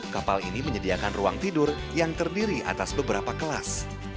kapal ini menyediakan ruang tidur yang terdiri atas beberapa kelas